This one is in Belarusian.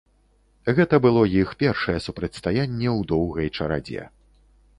Гэта было іх першае супрацьстаянне ў доўгай чарадзе.